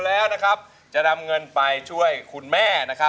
ไม่ใช่คนไทยเนี่ยแหละ